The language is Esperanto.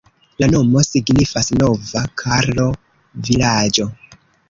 La nomo signifas "Nova karlo-vilaĝo".